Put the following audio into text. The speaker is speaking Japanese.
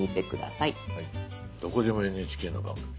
「どこでも、ＮＨＫの番組を」。